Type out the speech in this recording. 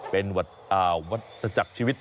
เป็นวัตถจักรชีวิต